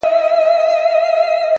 • او له سترګو یې د اوښکو رود وو تاللی ,